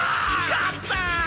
勝った！